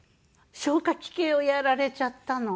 消化器系をやられちゃったの。